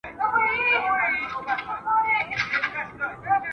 علم د عقل او استدلال پر بنسټ ولاړ دی.